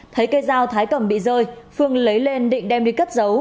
thấy cây dao thái cầm bị rơi phương lấy lên định đem đi cất giấu